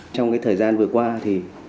trong cái thời gian vừa qua thì